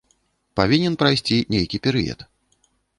Павінен прайсці нейкі перыяд.